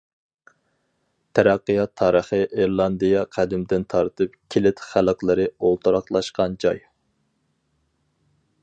تەرەققىيات تارىخى ئىرېلاندىيە قەدىمدىن تارتىپ كىلىت خەلقلىرى ئولتۇراقلاشقان جاي.